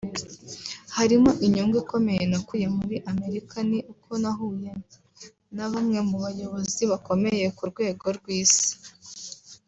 harimo Inyungu ikomeye nakuye muri Amerika ni uko nahuye na bamwe mu bayobozi bakomeye ku rwego rw’Isi